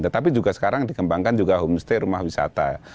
tetapi juga sekarang dikembangkan juga homestay rumah wisata